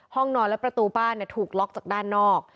ห้องนอนและประตูบ้านถูกล็อกจากด้านนอก